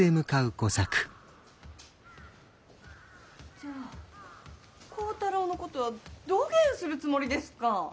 ・じゃあ幸太郎のことはどげんするつもりですか！